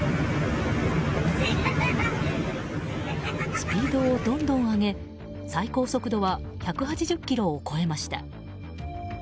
スピードをどんどん上げ最高速度は１８０キロを超えました。